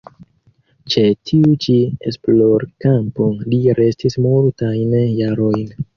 Ĉe tiu ĉi esplorkampo li restis multajn jarojn.